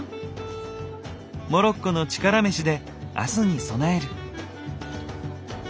モロッコの力飯で明日に備える。